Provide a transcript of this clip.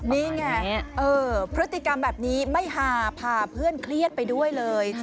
นี่ไงพฤติกรรมแบบนี้ไม่ฮาพาเพื่อนเครียดไปด้วยเลย